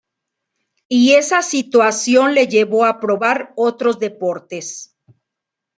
Y esa situación le llevó a probar otros deportes.